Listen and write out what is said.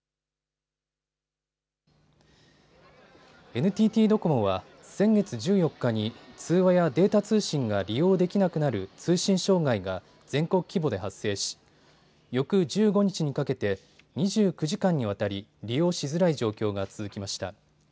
ＮＴＴドコモは先月１４日に通話やデータ通信が利用できなくなる通信障害が全国規模で発生し翌１５日にかけて２９時間にわたり、利用しづらい状況が続きました。